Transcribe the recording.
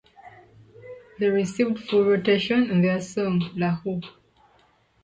They received full rotation on their song "La Luh".